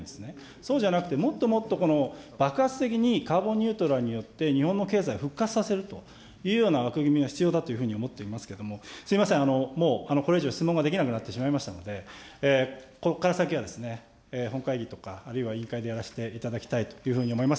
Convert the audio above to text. そうじゃなくてもっともっと爆発的にカーボンニュートラルによって日本の経済を復活させるというような枠組みが必要だというふうに思っていますけれども、すみません、もうこれ以上質問ができなくなってしまいましたので、ここから先は本会議とか、あるいは委員会でやらせていただきたいというふうに思います。